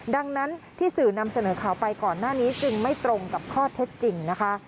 ดังนั้นที่สื่อนำเสนอข่าวไปก่อนหน้านี้จึงไม่ตรงกับข้อเท็จจริงนะคะ